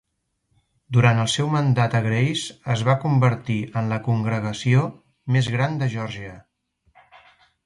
Durant el seu mandat a Grace, es va convertir en la congregació més gran de Geòrgia.